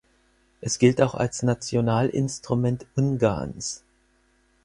Es gilt auch als Nationalinstrument Ungarns.